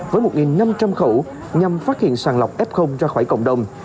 với một năm trăm linh khẩu nhằm phát hiện sàng lọc f ra khỏi cộng đồng